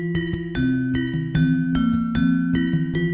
terimakasih atas dukungan anda